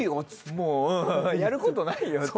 もううんやることないよって。